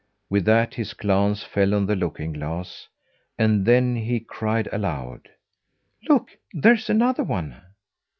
With that, his glance fell on the looking glass; and then he cried aloud: "Look! There's another one!"